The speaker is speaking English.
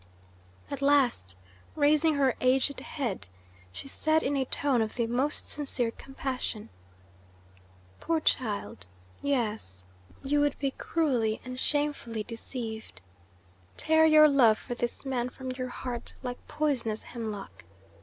At last, raising her aged head, she said in a tone of the most sincere compassion: "Poor child! Yes, you would be cruelly and shamefully deceived. Tear your love for this man from your heart, like poisonous hemlock.